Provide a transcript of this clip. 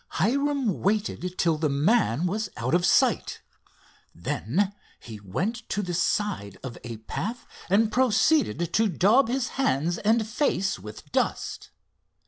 Hiram waited till the man was out of sight. Then he went to the side of a path and proceeded to daub his hands and face with dust.